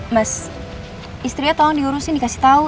mas istrinya tolong diurusin dikasih tahu